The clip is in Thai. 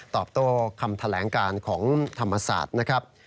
ตอบโต้คำแถลงการของธรรมศาสตร์นะครับ